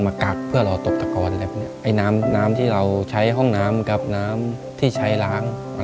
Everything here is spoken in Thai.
ในแคมเปญพิเศษเกมต่อชีวิตโรงเรียนของหนู